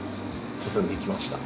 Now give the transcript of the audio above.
進んでいきました。